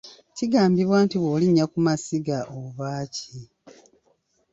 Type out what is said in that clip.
Kigambibwa nti bw’olinnya ku masiga oba ki?